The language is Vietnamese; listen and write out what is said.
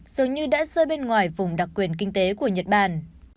dường như đã rơi bên ngoài vùng đặc quyền kinh tế của nhật bản